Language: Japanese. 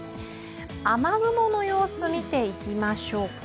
雨雲の様子見て見ましょうか。